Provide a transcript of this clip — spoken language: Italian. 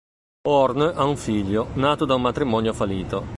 Horn ha un figlio, nato da un matrimonio fallito.